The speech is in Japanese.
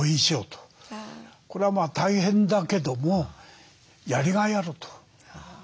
これは大変だけどもやりがいあると。